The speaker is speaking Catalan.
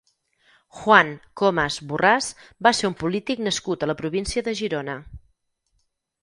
Juan Comas Borrás va ser un polític nascut a la província de Girona.